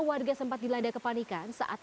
warga sempat dilanda kepanikan saat